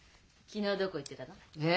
昨日どこ行ってたの？え？